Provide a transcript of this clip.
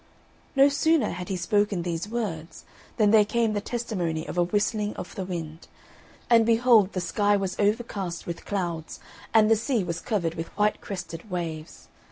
No sooner had he spoken these words than there came the testimony of a whistling of the wind; and behold the sky was overcast with clouds, and the sea was covered with white crested waves.